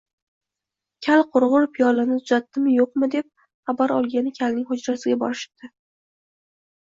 Kal qurg‘ur piyolani tuzatdimi, yo‘qmi, deb xabar olgani kalning hujrasiga borishibdi